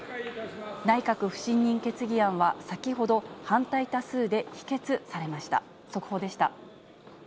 内閣不信任決議案は先ほど、反対多数で否決されました。